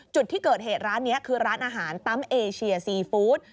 จุดที่เกิดเหตุร้านนี้คือร้านอาหารปั๊มเอเชียซีฟู้ด